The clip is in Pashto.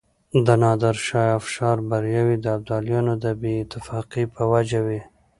د نادرافشار برياوې د ابدالیانو د بې اتفاقۍ په وجه وې.